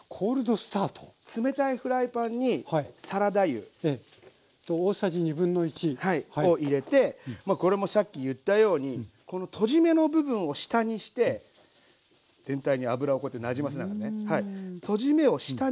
冷たいフライパンにサラダ油を入れてまあこれもさっき言ったようにこのとじ目の部分を下にして全体に油をこうやってなじませながらねとじ目を下にして並べる。